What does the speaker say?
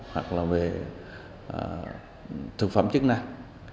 hoặc là về thực phẩm chức năng